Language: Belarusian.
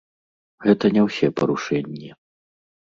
Гэта не ўсе парушэнні.